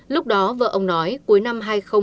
lúc đó vợ ông nói cuối năm hai nghìn một mươi